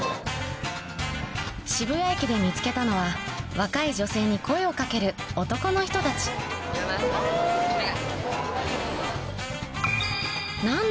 渋谷駅で見つけたのは若い女性に声を掛ける男の人たちいらない？